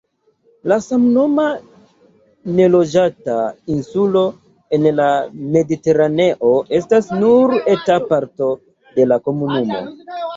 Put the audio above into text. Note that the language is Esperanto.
La samnoma, neloĝata insulo en la Mediteraneo estas nur eta parto de la komunumo.